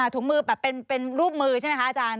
ถุงมือแบบเป็นรูปมือใช่ไหมคะอาจารย์